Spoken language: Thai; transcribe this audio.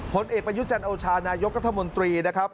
ผลเอกประยุจันทร์โอชานายกรัฐมนตรีนะครับ